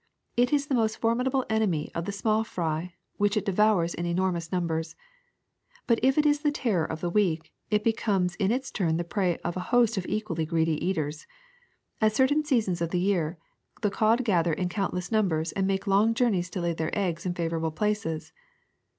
It is the most formidable enemy of the small fry, which it devours in enormous numbers. But if it is the terror of the weak, it becomes in its turn the prey of a host of equally greedy eaters. At certain seasons of the year the cod gather in countless numbers and make long journeys to lay their eggs in favorable places.